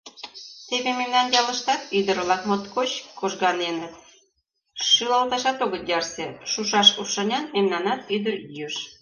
Теве мемнан ялыштат ӱдыр-влак моткоч кожганеныт, шӱлалташат огыт ярсе: шушаш рушарнян мемнанат — ӱдырйӱыш!